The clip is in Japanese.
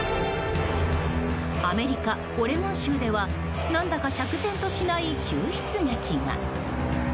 アメリカ・オレゴン州では何だか釈然としない救出劇が。